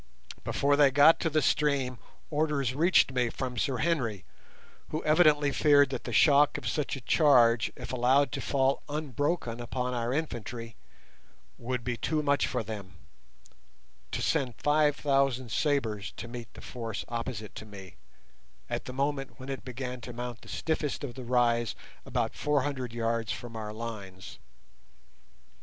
Before they got to the stream, orders reached me from Sir Henry, who evidently feared that the shock of such a charge, if allowed to fall unbroken upon our infantry, would be too much for them, to send five thousand sabres to meet the force opposite to me, at the moment when it began to mount the stiffest of the rise about four hundred yards from our lines.